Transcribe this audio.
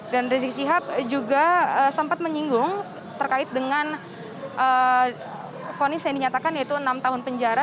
dan rizik syihab juga sempat menyinggung terkait dengan ponis yang dinyatakan yaitu enam tahun penjara